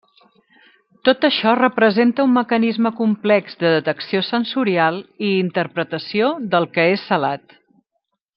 Tot això representa un mecanisme complex de detecció sensorial i interpretació del que és salat.